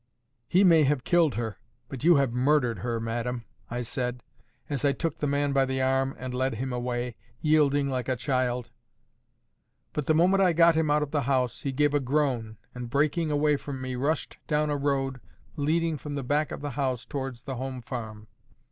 "'He may have killed her; but you have MURDERED her, madam,' I said, as I took the man by the arm, and led him away, yielding like a child. But the moment I got him out of the house, he gave a groan, and, breaking away from me, rushed down a road leading from the back of the house towards the home farm.